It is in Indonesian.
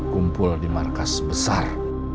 kumpul di markas besar